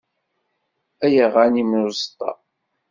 Ay aɣanim n uẓeṭṭa.